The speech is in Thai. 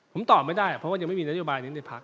ผมตอบไม่ได้เพราะว่ายังไม่มีนโยบายนี้ในพัก